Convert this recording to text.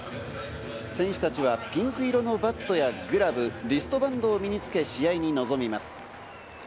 選手たちはピンク色のバットやグラブ、リストバンドを身につけ、試合に臨みます。